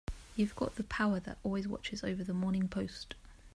You forget the power that always watches over the Morning Post.